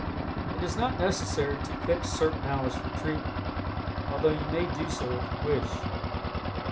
It is not necessary to fix certain hours for treatment, although you may do so if you wish.